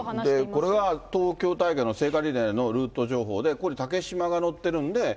これは東京大会の聖火リレーのルート情報で、ここに竹島が載ってるんで、